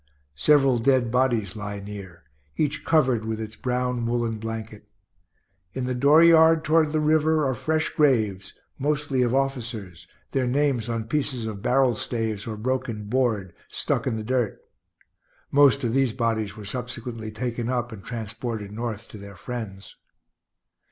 Several dead bodies lie near, each covered with its brown woollen blanket. In the dooryard, toward the river, are fresh graves, mostly of officers, their names on pieces of barrel staves or broken board, stuck in the dirt. (Most of these bodies were subsequently taken up and transported North to their friends.)